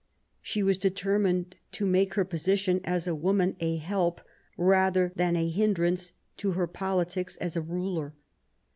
She was determined to make her position as a woman a help, rather than a hindrance, to her politics as a ruler.